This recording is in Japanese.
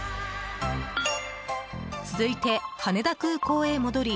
続いて羽田空港へ戻り